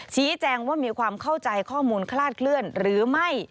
ชี้แจงว่ามีความเข้าใจข้อมูลคลาดเคลื่อนหรือไม่